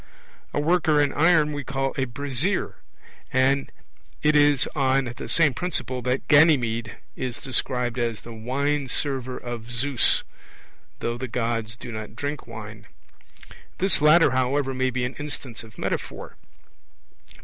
A worker in iron we call a 'brazier'; and it is on the same principle that Ganymede is described as the 'wine server' of Zeus, though the Gods do not drink wine. This latter, however, may be an instance of metaphor.